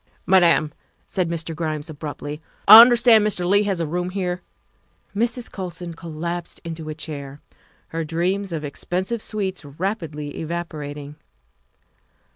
'' Madam, '' said Mr. Grimes abruptly, '' I understand Mr. Leigh has a room here. '' Mrs. Colson collapsed into a chair, her dreams of ex pensive suites rapidly evaporating.